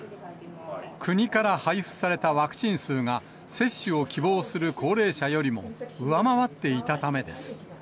国から配布されたワクチン数が、接種を希望する高齢者よりも上回っていたためです。